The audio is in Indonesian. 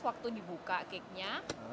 waktu dibuka cakenya